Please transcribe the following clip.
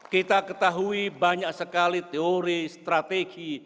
kita ketahui banyak sekali teori strategi